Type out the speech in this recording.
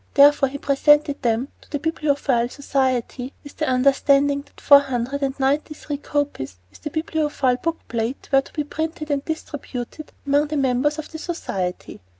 Therefore, he presented them to the Bibliophile Society, with the understanding that four hundred and ninety three copies, with the Bibliophile book plate, were to be printed and distributed among the members of the society.